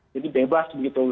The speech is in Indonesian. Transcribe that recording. jadi bebas begitu